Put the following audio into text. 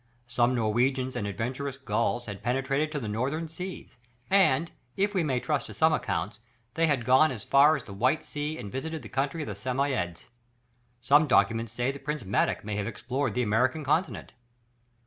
Some Norwegians and adventurous Gauls had penetrated to the Northern seas, and, if we may trust to some accounts, they had gone as far as the White Sea and visited the country of the Samoyedes. Some documents say that Prince Madoc may have explored the American continent.